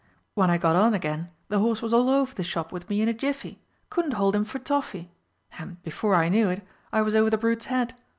When I got on again the horse was all over the shop with me in a jiffy. Couldn't hold him for toffee! And, before I knew it, I was over the brute's head.